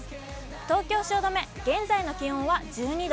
東京・汐留、現在の気温は１２度。